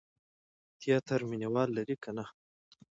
تیاتر مینه وال لري که نه؟